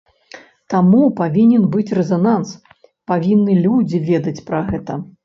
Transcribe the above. Таму павінен быць рэзананс, павінны людзі ведаць пра гэта.